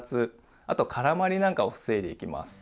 あと絡まりなんかを防いでいきます。